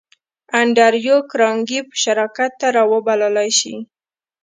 انډريو کارنګي به شراکت ته را وبللای شې؟